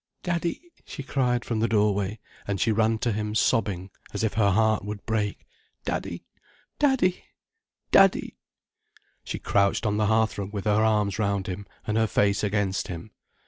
"Daddy," she cried from the doorway, and she ran to him sobbing as if her heart would break. "Daddy—daddy—daddy." She crouched on the hearthrug with her arms round him and her face against him.